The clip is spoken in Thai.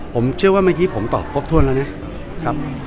ผมเชื่อว่าเมื่อกี้ผมตอบครบถ้วนแล้วนะครับ